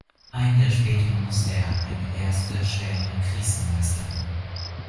Ein Jahr später musste er eine erste schwere Krise meistern.